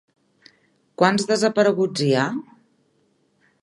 Quants desapareguts hi ha?